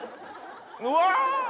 うわ！